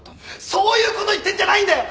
そういうこと言ってんじゃないんだよ！